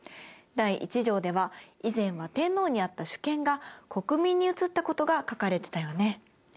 第１条では以前は天皇にあった主権が国民に移ったことが書かれてたよね。